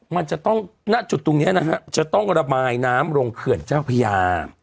มันจะต้องณจุดตรงนี้นะฮะจะต้องระบายน้ำลงเขื่อนเจ้าพญา